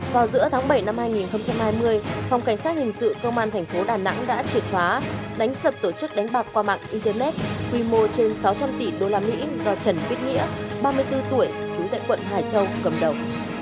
vào giữa tháng bảy năm hai nghìn hai mươi phòng cảnh sát hình sự công an thành phố đà nẵng đã triệt phá đánh sập tổ chức đánh bạc qua mạng internet quy mô trên sáu trăm linh tỷ usd do trần viết nghĩa ba mươi bốn tuổi trú tại quận hải châu cầm đầu